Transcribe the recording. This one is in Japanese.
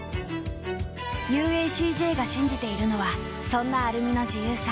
ＵＡＣＪ が信じているのはそんなアルミの自由さ。